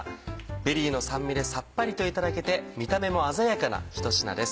ベリーの酸味でさっぱりといただけて見た目も鮮やかな一品です。